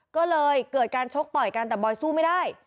ก็เลยเกิดการชกต่อยกันแต่บอยสู้ไม่ได้